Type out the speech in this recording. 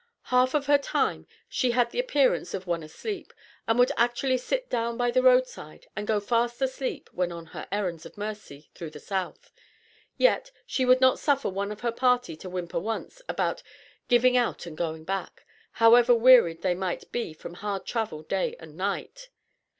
Half of her time, she had the appearance of one asleep, and would actually sit down by the road side and go fast asleep when on her errands of mercy through the South, yet, she would not suffer one of her party to whimper once, about "giving out and going back," however wearied they might be from hard travel day and night.